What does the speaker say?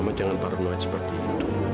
mama jangan paruh paruh aja seperti itu